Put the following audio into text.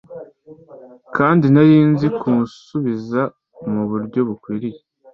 kandi nari nzi kumusubiza muburyo bukwiye